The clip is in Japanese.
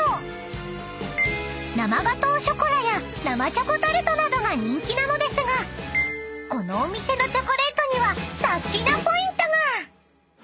［生ガトーショコラや生チョコタルトなどが人気なのですがこのお店のチョコレートにはサスティなポイントが］